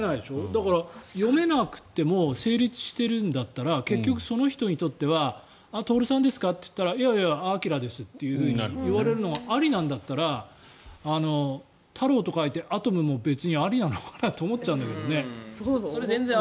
だから読めなくても成立しているんだったら結局、その人にとってはとおるさんですか？といったら「あきら」ですといわれるのがありなんだったら「太郎」と書いて「あとむ」も別にありなんじゃないかなと思っちゃうけどね。